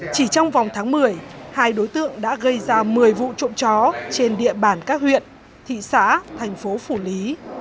chỉ trong vòng tháng một mươi hai đối tượng đã gây ra một mươi vụ trộm chó trên địa bàn các huyện thị xã thành phố phủ lý